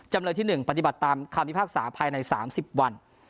จำเลยที่๑ปฏิบัติตามคำพิพากษาภายใน๓๐วัน